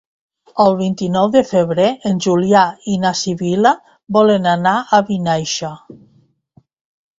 El vint-i-nou de febrer en Julià i na Sibil·la volen anar a Vinaixa.